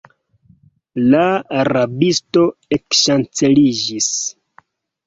La rabisto ekŝanceliĝis.